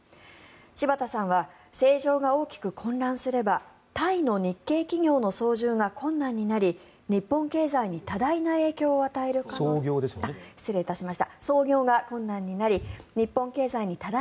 柴田さんは政情が大きく混乱すればタイの日系企業の操業が困難になり日本経済に多大な影響を与える可能性があるとしています。